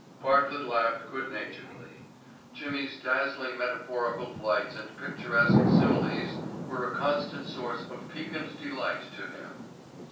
Bartlett laughed good naturedly. Jimmy's dazzling metaphorical flights and picturesque similes were a constant source of piquant delight to him.